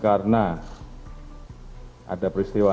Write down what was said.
karena ada peristiwa fs